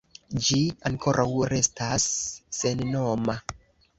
Ĝi ankoraŭ restas sennoma.